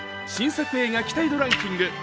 新作映画期待度ランキング